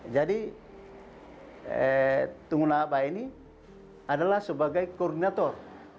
jadi tungguna aba ini adalah sebagai koordinator